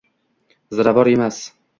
ziravor emas